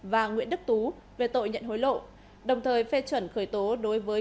và nguyễn đức tú về tội nhận hối lộ đồng thời phê chuẩn khởi tố đối với